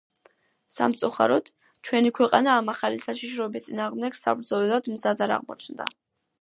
სამწუხაროდ, ჩვენი ქვეყანა ამ ახალი საშიშროების წინააღმდეგ საბრძოლველად მზად არ აღმოჩნდა.